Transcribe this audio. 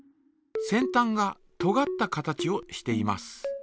先たんがとがった形をしています。